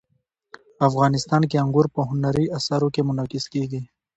افغانستان کې انګور په هنري اثارو کې منعکس کېږي.